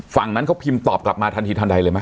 ฝั่งนั้นเขาพิมพ์ตอบกลับมาทันทีทันใดเลยไหม